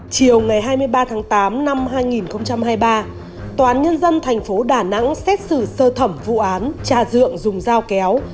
chiều ngày hai mươi ba tháng tám năm hai nghìn hai mươi ba tòa án nhân dân thành phố đà nẵng xét xử sơ thẩm vụ án trà dượng dùng dao kéo